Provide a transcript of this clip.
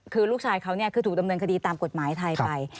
คือลูกชายเขาคือถูกดำเนินคดีตามกฎหมายไทยไป